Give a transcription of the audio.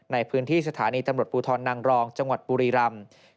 ในพื้นที่สถานีตำรวจภูทรนางรองจังหวัดบุรีรำ